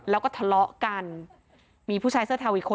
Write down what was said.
แล้วก็ทะเลาะกันมีผู้ชายเสื้อเทาอีกคน